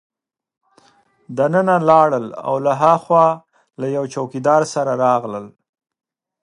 دننه ولاړل او له هاخوا له یوه چوکیدار سره راغلل.